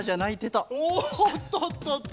おっとっとっと！